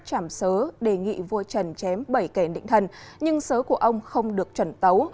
chảm sớ đề nghị vô trần chém bảy kẻ định thần nhưng sớ của ông không được trần tấu